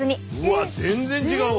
うわ全然違うわ！